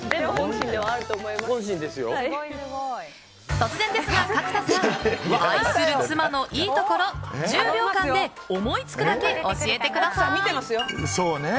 突然ですが、角田さん愛する妻のいいところ１０秒間で思いつくだけ教えてください。